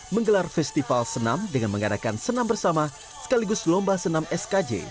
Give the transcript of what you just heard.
menggelar festival senam dengan mengadakan senam bersama sekaligus lomba senam skj